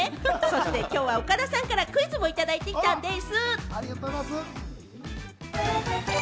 そして今日は岡田さんからクイズもいただいてきたんでぃす！